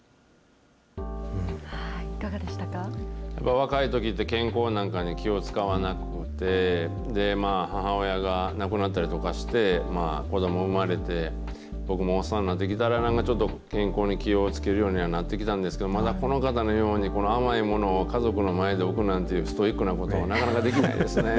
若いときって、健康なんかに気を遣わなくて、母親が亡くなったりとかして、子ども産まれて、僕もおっさんになってきたら、なんかちょっと健康に気をつけるようにはなってきたんですけど、まだこの方のように、甘いものを家族の前に置くなんてストイックなことはなかなかできないですね。